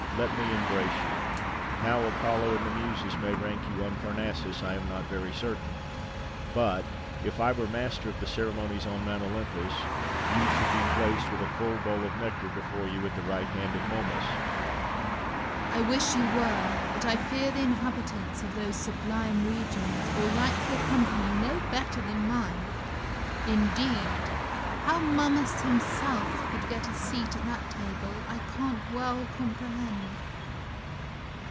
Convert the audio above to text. Let me embrace you. How Apollo and the Muses may rank you on Parnassus I am not very certain; but, if I were Master of the Ceremonies on Mount Olympus, you should be placed, with a full bowl of nectar before you, at the right hand of Momus. Rabelais. I wish you were; but I fear the inhabitants of those sublime regions will like your company no better than mine. Indeed, how Momus himself could get a seat at that table I can't well comprehend.